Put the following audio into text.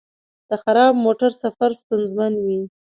د خراب موټر سفر ستونزمن وي.